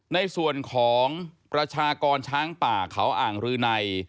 ในส่วนของประชากรช้างป่าเขาอ่างรืนัย